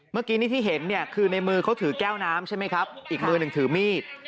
เมื่อกี้ที่เห็นคือในมือเขาถือแก้วน้ำอีกมือมือถือมีด